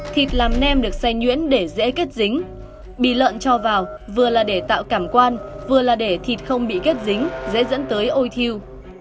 thịt làm nem được xe nhuyễn để dễ kết dính bì lợn cho vào vừa là để tạo cảm quan vừa là để thịt không bị kết dính dễ dẫn tới ôi thiêu